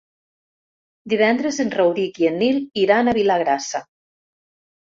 Divendres en Rauric i en Nil iran a Vilagrassa.